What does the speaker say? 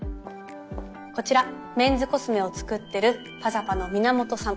こちらメンズコスメを作ってる「ｐａｚａｐａ」の皆本さん。